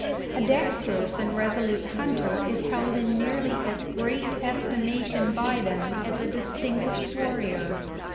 A dexterous and resolute hunter is held in nearly as great estimation by them as a distinguished war rior.